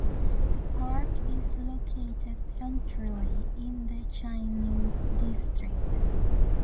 The park is located centrally in the Changning District.